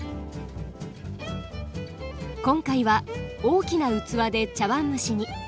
今回は大きな器で茶碗蒸しに。